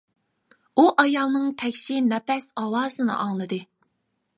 ئۇ ئايالىنىڭ تەكشى نەپەس ئاۋازىنى ئاڭلىدى.